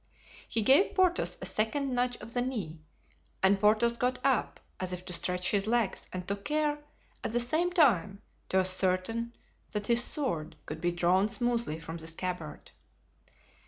He gave Porthos a second nudge of the knee and Porthos got up as if to stretch his legs and took care at the same time to ascertain that his sword could be drawn smoothly from the scabbard.